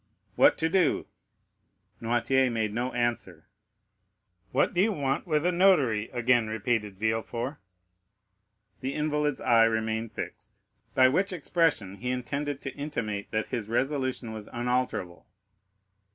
"What to do?" Noirtier made no answer. "What do you want with a notary?" again repeated Villefort. The invalid's eye remained fixed, by which expression he intended to intimate that his resolution was unalterable.